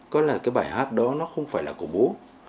có là cái bài hát đó nó không phải là của bố